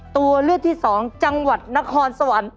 ตัวเลือกที่๒จังหวัดนครสวรรค์